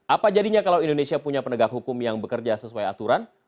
apa jadinya kalau indonesia punya penegak hukum yang bekerja sesuai aturan